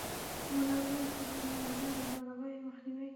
منظم طبي معاینه د ناروغیو مخنیوی کوي.